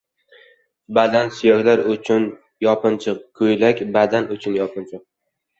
• Badan ― suyaklar uchun yopinchiq, ko‘ylak ― badan uchun yopinchiq.